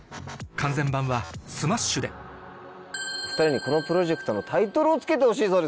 完全版はｓｍａｓｈ．でお２人にこのプロジェクトのタイトルをつけてほしいそうです。